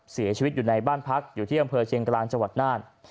เสียชีวิตอยู่ในบ้านพักอยู่ที่อำเภอเชียงกลางจังหวัดน่าน